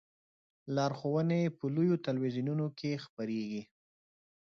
لارښوونې په لویو تلویزیونونو کې خپریږي.